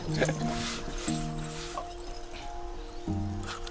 あっ。